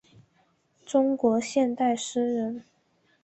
中国现代诗人。